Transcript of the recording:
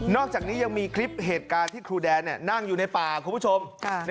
อกจากนี้ยังมีคลิปเหตุการณ์ที่ครูแดนนั่งอยู่ในป่าคุณผู้ชม